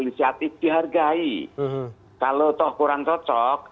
inisiatif dihargai kalau toh kurang cocok